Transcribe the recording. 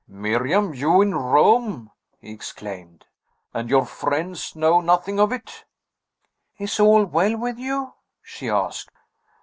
"Miriam! you in Rome?" he exclaimed "And your friends know nothing of it?" "Is all well with you?" she asked.